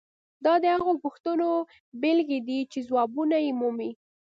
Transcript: دا د هغو پوښتنو بیلګې دي چې ځوابونه یې مومو.